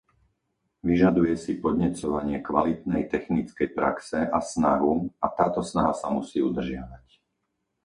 Vyžaduje si podnecovanie kvalitnej technickej praxe a snahu, a táto snaha sa musí udržiavať.